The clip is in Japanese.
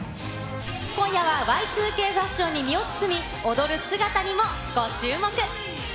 今夜は、Ｙ２Ｋファッションに身を包み、踊る姿にもご注目。